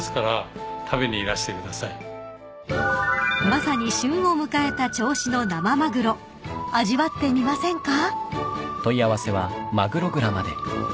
［まさに旬を迎えた銚子の生マグロ］［味わってみませんか？］